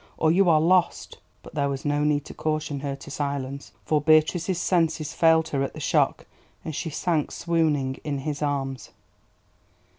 or you are lost." But there was no need to caution her to silence, for Beatrice's senses failed her at the shock, and she sank swooning in his arms.